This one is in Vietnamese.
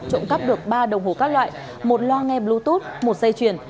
trộm cắp được ba đồng hồ các loại một lo nghe bluetooth một dây chuyền